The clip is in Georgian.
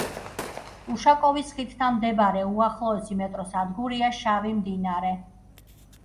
უშაკოვის ხიდთან მდებარე უახლოესი მეტრო სადგურია „შავი მდინარე“.